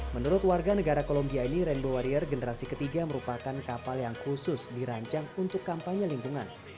menurut warga negara columbia ini rainbow warrior generasi ketiga merupakan kapal yang khusus dirancang untuk kampanye lingkungan